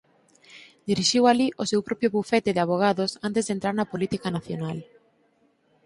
Dirixiu alí o seu propio bufete de avogados antes de entrar na política nacional.